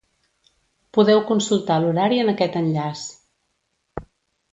Podeu consultar l'horari en aquest enllaç.